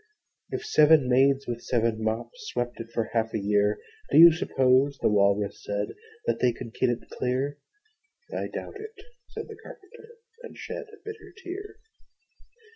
'If seven maids with seven mops Swept it for half a year, Do you suppose,' the Walrus said, 'That they could get it clear?' 'l doubt it,' said the Carpenter, And shed a bitter tear.